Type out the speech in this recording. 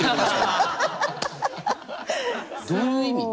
どういう意味？